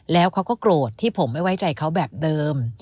แล้วเขาก็โกรธที่ผมไม่ไว้ใจเขาแบบเดิม